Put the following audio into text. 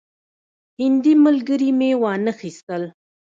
هندي ملګري مې وانه خیستل.